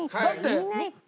いないって。